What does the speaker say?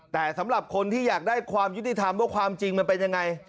แต่สำหรับคนที่อยากได้ความยุติธรรมว่าความจริงมันเป็นยังไง